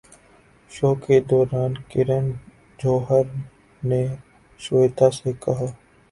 شو کے دوران کرن جوہر نے شویتا سے کہا